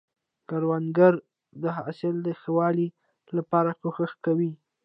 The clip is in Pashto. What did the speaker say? کروندګر د حاصل د ښه والي لپاره کوښښ کوي